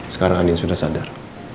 sekarang andien sudah sadar